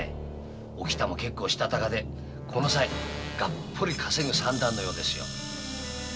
おきたも結構したたかでこのさいガッポリ稼ぐ算段のようですよ。